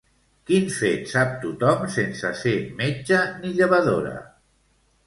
Quin fet sap tothom sense ser metge ni llevadora?